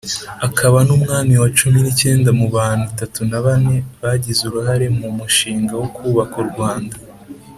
akaba n’umwami wa cumi n’icyenda mu bantu itatu na bane bagize uruhare mu mushinga wo kubaka u Rwanda.